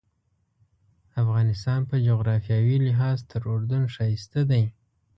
افغانستان په جغرافیوي لحاظ تر اردن ښایسته دی.